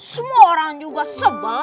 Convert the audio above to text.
semua orang juga sebal sebal